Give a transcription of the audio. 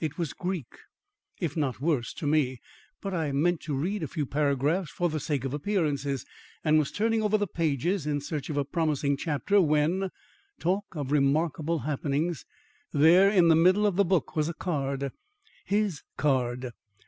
It was Greek, if not worse, to me, but I meant to read a few paragraphs for the sake of appearances, and was turning over the pages in search of a promising chapter, when Talk of remarkable happenings! there in the middle of the book was a card, his card!